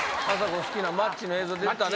好きなマッチの映像出